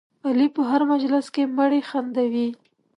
علي په هر مجلس کې مړي خندوي.